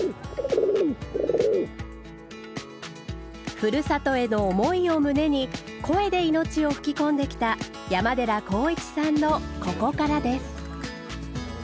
ふるさとへの思いを胸に声で命を吹き込んできた山寺宏一さんの「ここから」です。